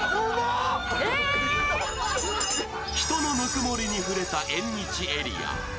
人の温もりに触れた縁日エリア。